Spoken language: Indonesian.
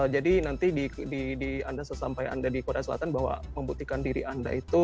jadi nanti di anda sesampai anda di korea selatan membuktikan diri anda itu